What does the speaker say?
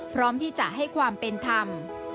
พร้อมที่จะให้ความเป็นธรรม